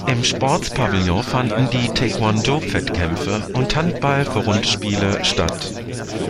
Im Sports Pavilion fanden die Taekwondo-Wettkämpfe und Handball-Vorrundenspiele statt.